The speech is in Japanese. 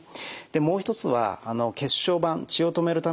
もう一つは血小板血を止めるためのですね